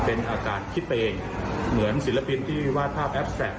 เป็นอาการคิดไปเองเหมือนศิลปินที่วาดภาพแอฟแท็ก